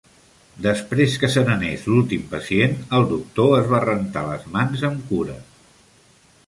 Després que se n'anés l'últim pacient, el doctor es va rentar les mans amb cura.